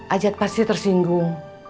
ajat pasti tersinggung